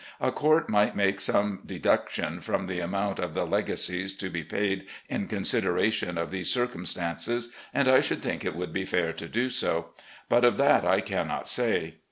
A court might make some deduction from the amount of the legacies to be paid in consideration of these circumstances, and I should think it would be fair to do so. But of that I cannot say.